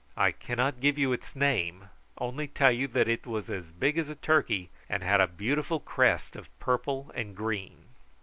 I cannot give you its name, only tell you that it was as big as a turkey, and had a beautiful crest of purple and green.